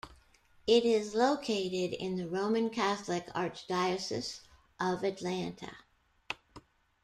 It is located in the Roman Catholic Archdiocese of Atlanta.